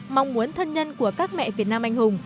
mong muốn thân nhân của các mẹ việt nam anh hùng